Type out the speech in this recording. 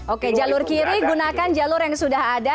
oke jalur kiri gunakan jalur yang sudah ada